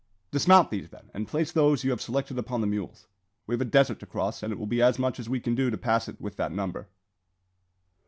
"Dismount these, then, and place those you have selected upon the mules. We have a desert to cross, and it will be as much as we can do to pass it with that number."